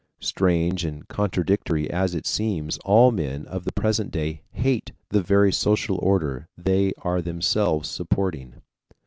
Strange and contradictory as it seems, all men of the present day hate the very social order they are themselves supporting.